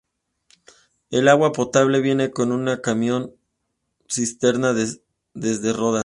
El agua potable viene con un camión cisterna desde Rodas.